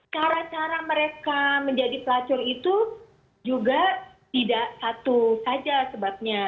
cara cara mereka menjadi pelacur itu juga tidak satu saja sebabnya